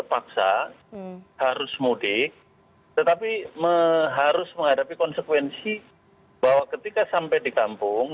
terpaksa harus mudik tetapi harus menghadapi konsekuensi bahwa ketika sampai di kampung